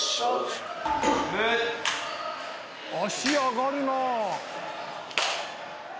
足上がるなぁ。